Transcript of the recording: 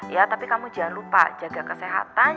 ya tapi kamu jangan lupa jaga kesehatan